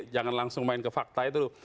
jangan langsung main ke fakta itu